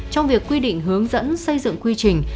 trong việc quy định hướng dẫn xây dựng quy trình